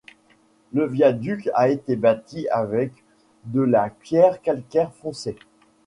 Le viaduc a été bâti avec de la pierre calcaire foncée.